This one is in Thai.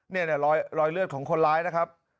เนี่ยรอยเลือดของคนร้ายนะครับ